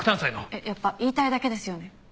えっやっぱり言いたいだけですよね？